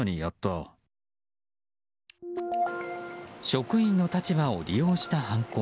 職員の立場を利用した犯行。